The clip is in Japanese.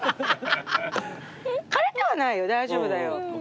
枯れてはないよ大丈夫だよ。